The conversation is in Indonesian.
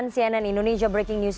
cnn indonesia breaking news